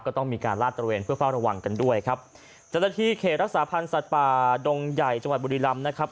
ก็ต้องมีการลาดตระเวนเพื่อเฝ้าระวังกันด้วยครับจังหวัดบุรีรำนะครับ